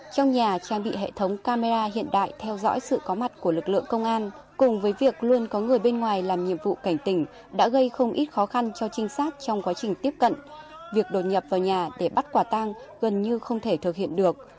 trong nhà trang bị hệ thống camera hiện đại theo dõi sự có mặt của lực lượng công an cùng với việc luôn có người bên ngoài làm nhiệm vụ cảnh tỉnh đã gây không ít khó khăn cho trinh sát trong quá trình tiếp cận việc đột nhập vào nhà để bắt quả tang gần như không thể thực hiện được